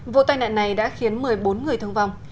vụ tai nạn này đã khiến một mươi bốn người thương vong